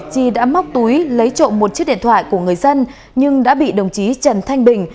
chi đã móc túi lấy trộm một chiếc điện thoại của người dân nhưng đã bị đồng chí trần thanh bình